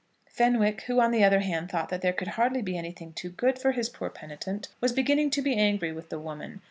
Fenwick, who, on the other hand, thought that there could be hardly anything too good for his poor penitent, was beginning to be angry with the woman.